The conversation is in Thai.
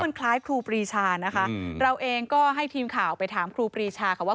มันคล้ายครูปรีชานะคะเราเองก็ให้ทีมข่าวไปถามครูปรีชาค่ะว่า